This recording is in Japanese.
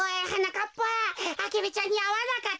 かっぱアゲルちゃんにあわなかったか？